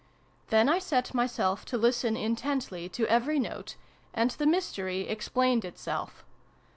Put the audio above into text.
" Then I set myself to listen intently to every note ; and the mystery explained itself.